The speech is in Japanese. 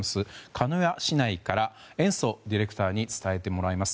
鹿屋市内から延増ディレクターに伝えてもらいます。